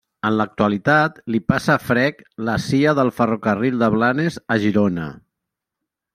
En l'actualitat, li passa a frec la cia del ferrocarril de Blanes a Girona.